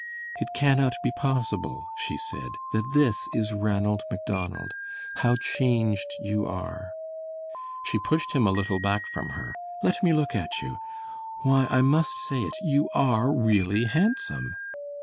"It cannot be possible," she said, "that this is Ranald Macdonald! How changed you are!" She pushed him a little back from her. "Let me look at you; why, I must say it, you are really handsome!"